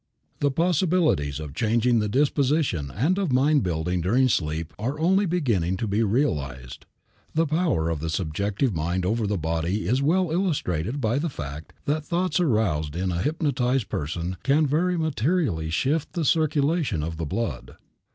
The possibilities of changing the disposition and of mind building during sleep are only beginning to be realized. The power of the subjective mind over the body is well illustrated by the fact that thoughts aroused in a hypnotized person can very materially shift the circulation of the blood.